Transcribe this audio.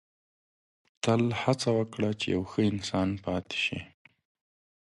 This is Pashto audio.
• تل هڅه وکړه چې یو ښه انسان پاتې شې.